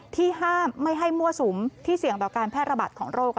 ที่ห้ามไม่ให้มั่วสุมที่เสี่ยงต่อการแพร่ระบาดของโรค